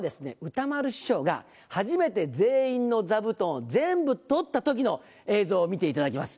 歌丸師匠が初めて全員の座布団を全部取った時の映像を見ていただきます。